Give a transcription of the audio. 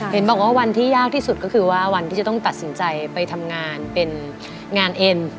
เห็นบอกว่าวันที่ยากที่สุดก็คือว่าวันที่จะต้องตัดสินใจไปทำงานเป็นงานเอ็น